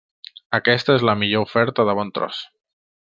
Aquesta és la millor oferta de bon tros.